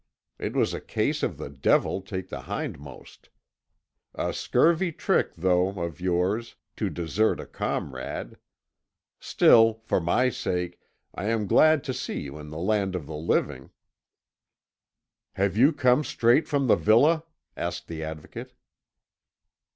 It was a case of the devil take the hindmost. A scurvy trick, though, of yours, to desert a comrade; still, for my sake, I am glad to see you in the land of the living." "Have you come straight from the villa?" asked the Advocate.